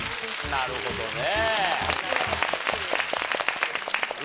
なるほどね。